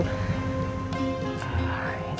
masih banyak yang mau datang ke warung